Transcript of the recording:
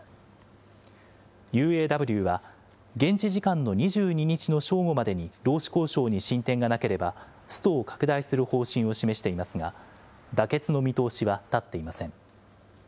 ＵＡＷは現地時間の２２日の正午までに、労使交渉に進展がなければストを拡大する方針を示していますが、妥結の見通しは立っていません。